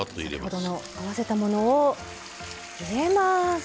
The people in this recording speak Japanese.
先ほどの合わせたものを入れます。